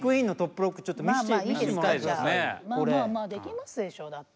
まあまあまあできますでしょだって。